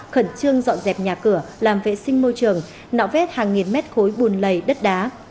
khẩn trương dọn dẹp nhà cửa làm vệ sinh môi trường nạo vét hàng nghìn mét khối bùn lầy đất đá